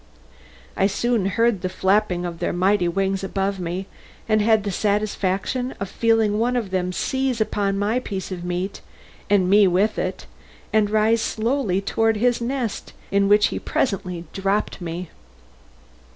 I soon heard the flapping of their mighty wings above me, and had the satisfaction of feeling one of them seize upon my piece of meat, and me with it, and rise slowly towards his nest, into which he presently dropped me.